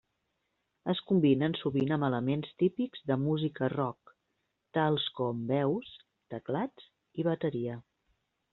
Es combinen sovint amb elements típics de música rock tals com veus, teclats i bateria.